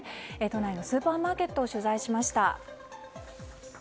都内のスーパーマーケットを取材しました。